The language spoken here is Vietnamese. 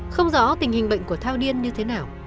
không rõ tình hình bệnh của thao điên như thế nào